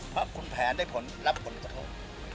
เพราะคุณแผนได้ผลรับคุณจะโทษ